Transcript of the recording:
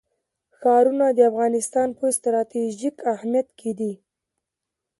ښارونه د افغانستان په ستراتیژیک اهمیت کې دي.